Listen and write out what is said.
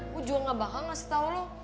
gue juga gak bohong ngasih tau lo